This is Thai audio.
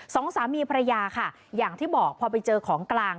สองสามีภรรยาค่ะอย่างที่บอกพอไปเจอของกลาง